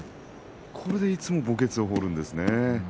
これでいつも墓穴を掘るんです。